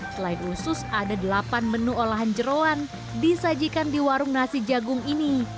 selain usus ada delapan menu olahan jerawan disajikan di warung nasi jagung ini